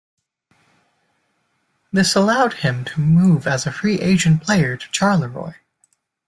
This allowed him to move as a free agent player to Charleroi.